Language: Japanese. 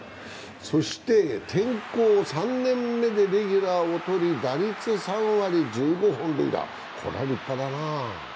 そして、転向３年目でレギュラーを取り、打率３割、１５本塁打、これは立派だな。